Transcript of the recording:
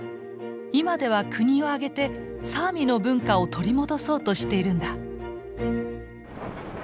今では国を挙げてサーミの文化を取り戻そうとしているんだ。